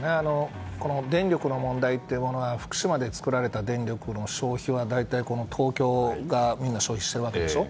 電力の問題というものは福島で作られた電力はみんな東京で消費しているわけでしょ。